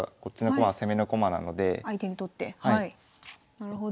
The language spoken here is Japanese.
なるほど。